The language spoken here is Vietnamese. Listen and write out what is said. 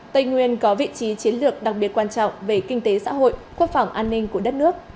tây nguyên có vị trí chiến lược đặc biệt quan trọng về kinh tế xã hội quốc phòng an ninh của đất nước